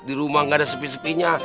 di rumah nggak ada sepi sepinya